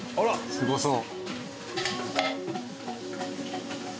すごそう。